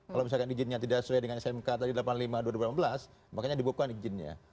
kalau misalkan izinnya tidak sesuai dengan smk tadi delapan puluh lima dua ribu delapan belas makanya dibuka izinnya